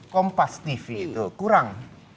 kompas tv itu kurang